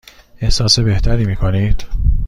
احساس بهتری می کنید؟